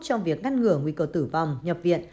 trong việc ngăn ngừa nguy cơ tử vong nhập viện